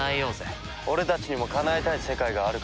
俺たちにもかなえたい世界があるからな。